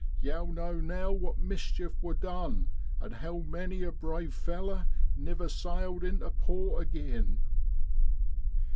Yow know now what mischief wor done, and how many a brave feller niver sailed intu port agin.'